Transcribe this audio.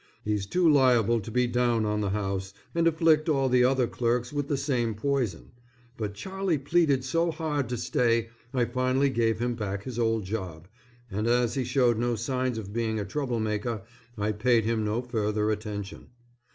He's too liable to be down on the house, and afflict all the other clerks with the same poison; but Charlie pleaded so hard to stay, I finally gave him back his old job, and, as he showed no signs of being a trouble maker, I paid him no further attention.